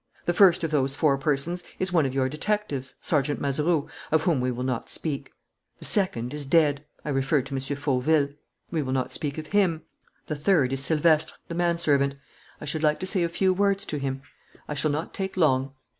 The first of those four persons is one of your detectives, Sergeant Mazeroux, of whom we will not speak. The second is dead: I refer to M. Fauville. We will not speak of him. The third is Silvestre, the manservant. I should like to say a few words to him. I shall not take long."